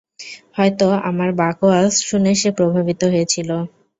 হয়ত আমার বাকোয়াজ শুনে সে প্রভাবিত হয়েছিল।